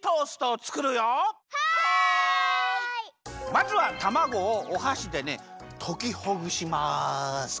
まずはたまごをおはしでねときほぐします。